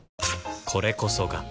これこそが